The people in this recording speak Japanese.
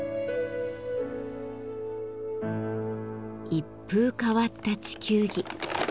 一風変わった地球儀。